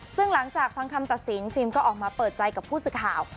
ซึ่งหลังจากฟังคำตัดสินฟิล์มก็ออกมาเปิดใจกับผู้สื่อข่าว